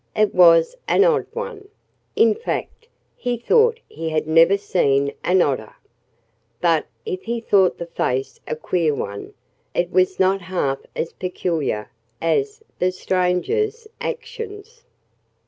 It was an odd one. In fact, he thought he had never seen an odder. But if he thought the face a queer one, it was not half as peculiar as the stranger's actions.